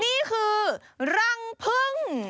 นี่คือรังพึ่ง